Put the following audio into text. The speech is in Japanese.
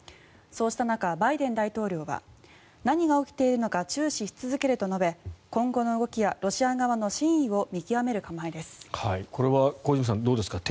そうした中、バイデン大統領は何が起きているのか注視し続けると述べ今後の動きやロシア側の真意を見極める構えです。